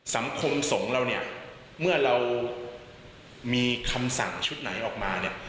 สังคมสงฆ์เราเนี่ยเมื่อเรามีคำสั่งชุดไหนออกมาเนี่ย